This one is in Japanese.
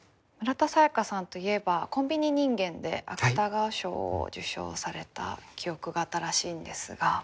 村田沙耶香さんといえば「コンビニ人間」で芥川賞を受賞された記憶が新しいんですが。